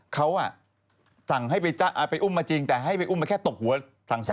เขาสั่งให้ไปอุ้มมาจริงแต่ให้ไปอุ้มมาแค่ตบหัวสั่งสอน